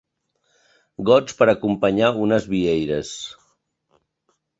Gots per acompanyar unes vieires.